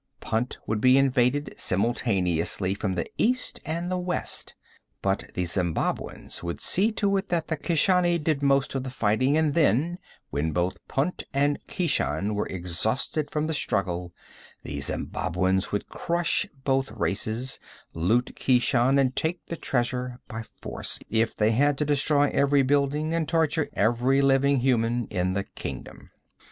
Punt would be invaded simultaneously from the east and the west, but the Zembabwans would see to it that the Keshani did most of the fighting, and then, when both Punt and Keshan were exhausted from the struggle the Zembabwans would crush both races, loot Keshan and take the treasure by force, if they had to destroy every building and torture every living human in the kingdom.